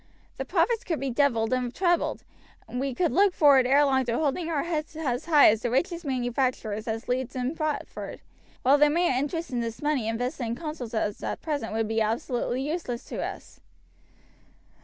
The profits could be doubled and trebled, and we could look forward ere long to holding our heads as high as the richest manufacturers at Leeds and Bradford while the mere interest in this money invested in consols as at present would be absolutely useless to us."